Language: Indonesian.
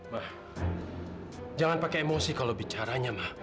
bah jangan pakai emosi kalau bicaranya mah